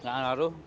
nggak ada ngaruh